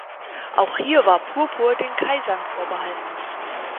Auch hier war Purpur den Kaisern vorbehalten.